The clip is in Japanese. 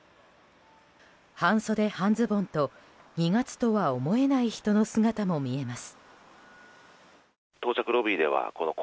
半袖半ズボンと２月とは思えない人の姿も見えます。